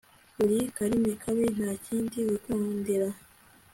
uri karimi kabi, nta kindi wikundira